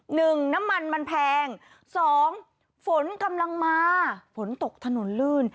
หนึ่งน้ำมันมันแพงสองฝนกำลังมาฝนตกถนนลื่น